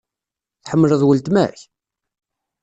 Tḥemmleḍ weltma-k?